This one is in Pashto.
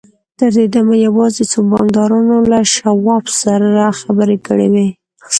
تر دې دمه یوازې څو بانکدارانو له شواب سره خبرې کړې وې